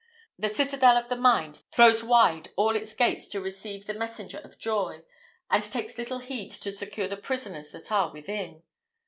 The citadel of the mind throws wide all its gates to receive the messenger of joy, and takes little heed to secure the prisoners that are within.